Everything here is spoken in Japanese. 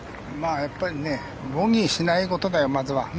やっぱりボギーしないことだよ、まずは。